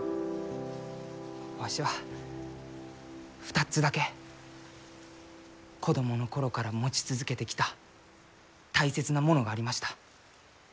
わしは２つだけ子供の頃から持ち続けてきた大切なものがありました。